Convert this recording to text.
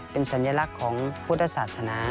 เป็นสัญลักษณ์ของพุทธศาสนา